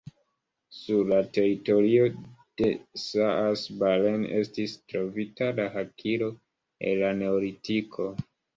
Sur la teritorio de Saas-Balen estis trovita hakilo el la neolitiko.